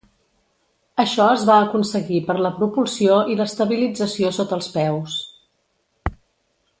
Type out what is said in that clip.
Això es va aconseguir per la propulsió i l'estabilització sota els peus.